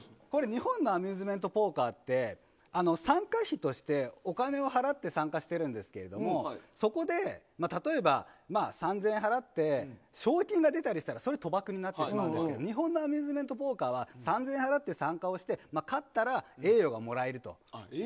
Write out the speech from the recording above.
日本のアミューズメントポーカーは参加費としてお金を払って参加しているんですけどそこで例えば、３０００円払って賞金が出たりしたら賭博になってしまいますが日本のアミューズメントポーカーは３０００円払って参加をして勝ったら栄誉がもらえると。